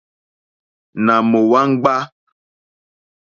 Nà mò wàŋɡbá.